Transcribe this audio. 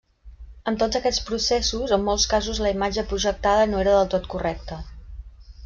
Amb tots aquests processos, en molts casos la imatge projectada no era del tot correcte.